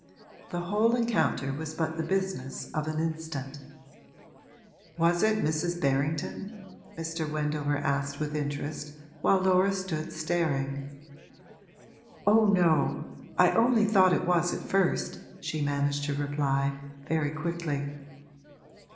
The whole encounter was but the business of an instant. 'Was it Mrs. Berrington?' Mr. Wendover asked with interest while Laura stood staring. 'Oh no, I only thought it was at first,' she managed to reply, very quickly.